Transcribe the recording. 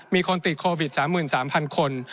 มีคนติดโควิด๓๓๐๐คน